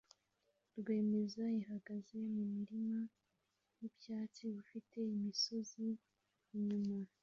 RWAMEZA ihagaze mumurima wibyatsi ufite imisozi inyuma